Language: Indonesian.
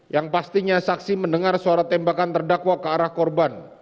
yang pastinya saksi mendengar suara tembakan terdakwa ke arah korban